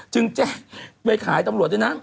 จึงแจ้งไปขายตำรวจด้วยนะ